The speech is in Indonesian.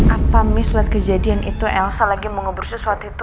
apa mislet kejadian itu elsa lagi mau ngobrol sesuatu itu